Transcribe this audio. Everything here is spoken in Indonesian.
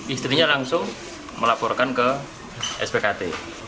istrinya langsung melaporkan ke spkt